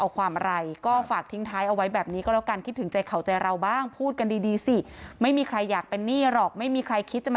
กลับมาทุ่มทีนี้มันไม่รู้จักใครถูกกับมวดหว่าหลับใจกัน